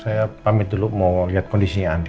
saya pamit dulu mau lihat kondisinya andi